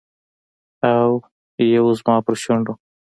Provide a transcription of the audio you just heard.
او یو زما پر شونډو